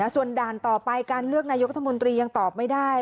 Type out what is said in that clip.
ส่วนด่านต่อไปการเลือกนายกรัฐมนตรียังตอบไม่ได้